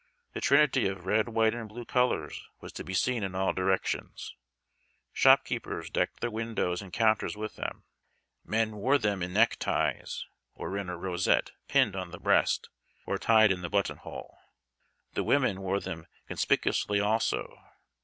The trinity of red, white, and blue colors was to be seen in all directions. Shopkeepers decked their windows and counters with them. Men wore them in neck ties, or in a rosette pinned on the breast, or tied in the button hole. The women wore them conspicuously also.